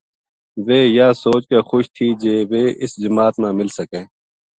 ویہ یاہ سوچ کے خوش تھی جے ویہ اس جماعت ما مل سکے